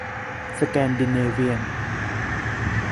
สแกนดิเนเวียน